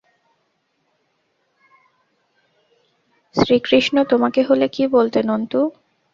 শ্রীকৃষ্ণ তোমাকে হলে কী বলতেন, অন্তু?